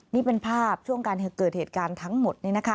นี่เป็นภาพช่วงการเกิดเหตุการณ์ทั้งหมด